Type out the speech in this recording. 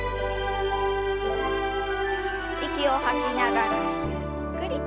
息を吐きながらゆっくりと。